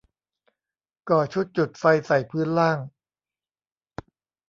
ก่อชุดจุดไฟใส่พื้นล่าง